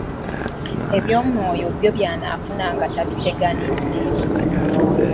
Eby'omwoyo byo by'anaafuna nga tabiteganidde?